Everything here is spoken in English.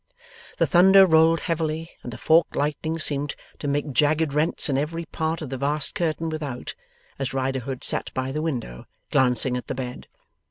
The thunder rolled heavily, and the forked lightning seemed to make jagged rents in every part of the vast curtain without, as Riderhood sat by the window, glancing at the bed.